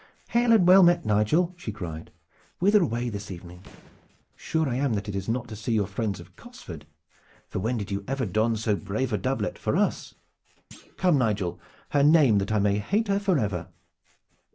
"Hail and well met, Nigel!" she cried. "Whither away this evening? Sure I am that it is not to see your friends of Cosford, for when did you ever don so brave a doublet for us? Come, Nigel, her name, that I may hate her for ever."